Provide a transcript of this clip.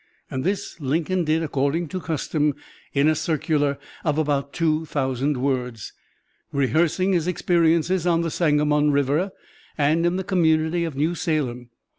This Lincoln did, according to custom, in a circular of about two thousand words, rehearsing his experiences on the Sangamon River and in the community of New Salem.